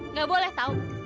nggak boleh tau